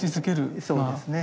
そうですね。